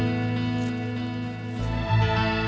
oke sampai jumpa